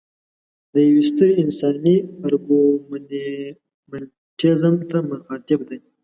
د یوې سترې انساني ارګومنټیزم ته مخاطب دی.